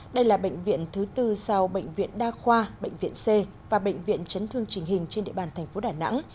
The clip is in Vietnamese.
đây là bệnh viện thứ tư sau bệnh viện đa khoa bệnh viện c và bệnh viện chấn thương trình hình trên địa bàn thành phố đà nẵng